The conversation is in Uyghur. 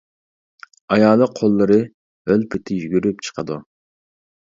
ئايالى قوللىرى ھۆل پېتى يۈگۈرۈپ چىقىدۇ.